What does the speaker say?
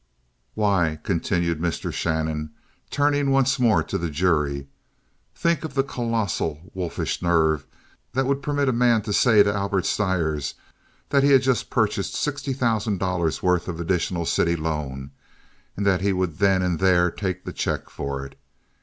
"Why [continued Mr. Shannon, turning once more to the jury], think of the colossal, wolfish nerve that would permit a man to say to Albert Stires that he had just purchased sixty thousand dollars' worth additional of city loan, and that he would then and there take the check for it!